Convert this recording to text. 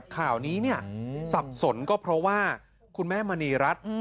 ข่าวนี้เนี่ยสับสนก็เพราะว่าคุณแม่มณีรัฐ